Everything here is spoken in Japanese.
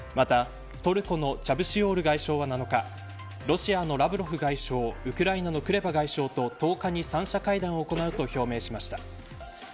またトルコのチャブシオール外相は７日ロシアのラブロフ外相ウクライナのクレバ外相と１０日に三者会談を行うと表明しました。